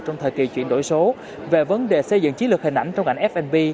trong thời kỳ chuyển đổi số về vấn đề xây dựng chí lực hình ảnh trong ảnh fnp